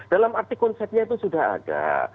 dalam arti konsepnya itu sudah ada